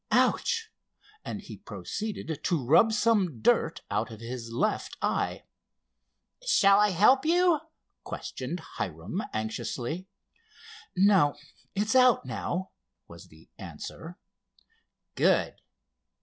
"Ouch!" and he proceeded to rub some dirt out of his left eye. "Shall I help you?" questioned Hiram, anxiously. "No, it's out now," was the answer. "Good."